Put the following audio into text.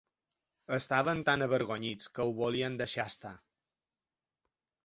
Estaven tan avergonyits que ho volien deixar estar.